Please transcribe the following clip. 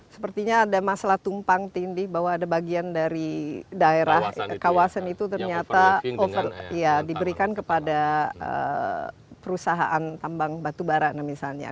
sepertinya ada masalah tumpang tindih bahwa ada bagian dari daerah kawasan itu ternyata diberikan kepada perusahaan tambang batubara misalnya